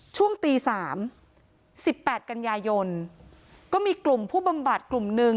ช่วงตีสามสิบแปดกันยายนก็มีกลุ่มผู้บำบัดกลุ่มหนึ่ง